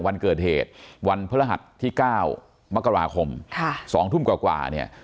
วันเกิดเหตุวันพระรหัสที่๙มกราคม๒ทุ่มกว่าเนี่ย